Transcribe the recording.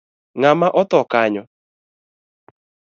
Ngama otho kanyo?